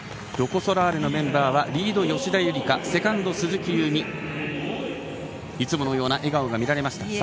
ロコ・ソラーレのメンバーはリード・吉田夕梨花、セカンド・鈴木夕湖、いつものような笑顔が見られました。